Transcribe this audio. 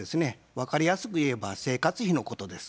分かりやすく言えば生活費のことです。